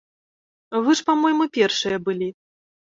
Вы ж па-мойму першыя былі.